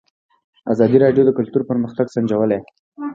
ازادي راډیو د کلتور پرمختګ سنجولی.